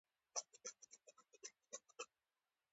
زه د فلم تریلر ګورم.